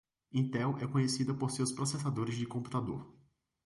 Intel é conhecida por seus processadores de computador.